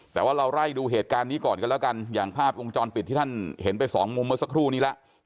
แต่ว่าเราไล่ดูเหตุการณ์นี้ก่อนกันแล้วกันอย่างภาพวงจรปิดที่ท่านเห็นไปสองมุมเมื่อสักครู่นี้แล้ว